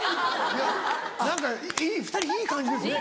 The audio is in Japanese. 何か２人いい感じですね。